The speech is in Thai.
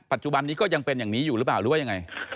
ปัจจุบันนี้ก็ยังเป็นอย่างนี้อยู่หรือเปล่าหรือว่ายังไง